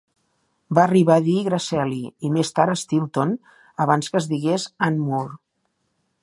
Va arribar a dir Grasselli, i més tard Steelton, abans que es digués Anmoore.